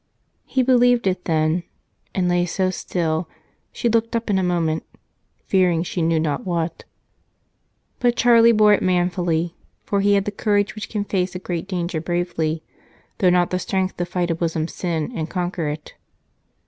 He believed it then, and lay so still, she looked up in a moment, fearing she knew not what. But Charlie bore it manfully, for he had the courage which can face a great danger bravely, though not the strength to fight a bosom sin and conquer it.